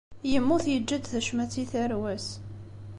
Yemmut yeǧǧa-d tacmat i tarwa-s.